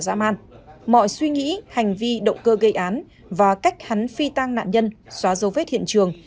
dã man mọi suy nghĩ hành vi động cơ gây án và cách hắn phi tang nạn nhân xóa dấu vết hiện trường